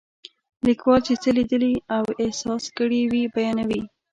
لیکوال چې څه لیدلي او احساس کړي وي بیانوي.